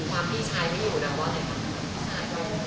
ความพี่ชายไม่อยู่นางบ่อนอย่างไรครับ